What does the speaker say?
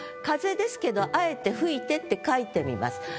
風ですけどあえて「吹いて」って書いてみます。